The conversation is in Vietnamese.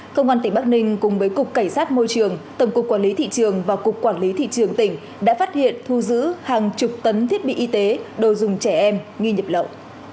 công an tỉnh bắc ninh cùng với cục cảnh sát môi trường tổng cục quản lý thị trường và cục quản lý thị trường tỉnh đã phát hiện thu giữ hàng chục tấn thiết bị y tế đồ dùng trẻ em nghi nhập lậu